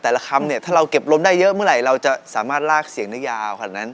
แต่ละคำเนี่ยถ้าเราเก็บลมได้เยอะเมื่อไหร่เราจะสามารถลากเสียงที่ยาว